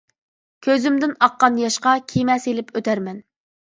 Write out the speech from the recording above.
كۆزۈمدىن ئاققان ياشقا، كېمە سېلىپ ئۆتەرمەن.